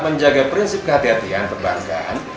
menjaga prinsip kehatian kehatian perbankan